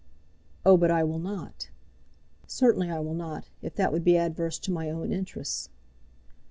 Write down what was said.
"Oh, but I will not; certainly I will not, if that would be adverse to my own interests."